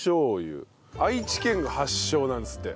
愛知県発祥なんですって。